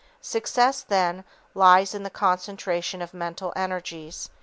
_Success, then, lies in the concentration of mental energies.